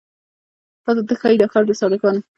تاته نه ښايي دا کار د ساده ګانو